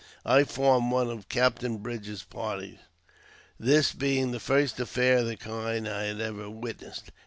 I formed one of Captain Bridger' s party, this being the first affair of the kind I had ever witnessed.